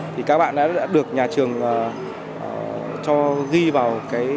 thì các bạn đã được nhà trường cho ghi vào